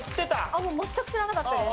もう全く知らなかったです。